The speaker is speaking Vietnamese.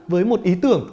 với một ý tưởng